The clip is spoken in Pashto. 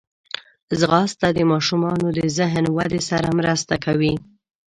ځغاسته د ماشومانو د ذهن ودې سره مرسته کوي